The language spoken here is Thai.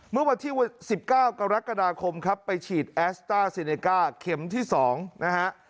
เมื่อวันที่๑๙กรกฎาคมครับไปฉีดแอสต้าซีเนก้าเข็มที่๒นะฮะ